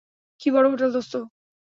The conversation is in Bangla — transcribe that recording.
কি বড় হোটেল, দোস্ত?